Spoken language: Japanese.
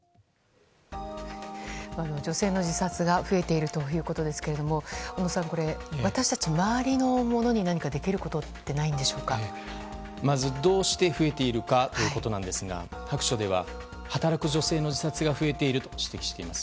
女性の自殺が増えているということですが小野さん、私たち周りの者にできることってどうして増えているかということですが白書では、働く女性の自殺が増えていると指摘しています。